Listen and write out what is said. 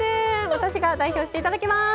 私が代表していただきます！